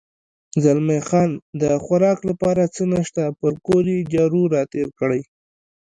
زلمی خان: د خوراک لپاره څه نشته، پر کور یې جارو را تېر کړی.